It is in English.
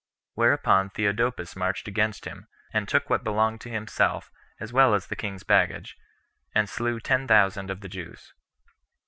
Whereupon Theodorus marched against him, and took what belonged to himself as well as the king's baggage, and slew ten thousand of the Jews.